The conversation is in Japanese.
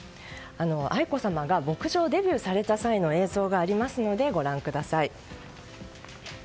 愛子さまが牧場デビューされた際の映像がありますのでご覧ください。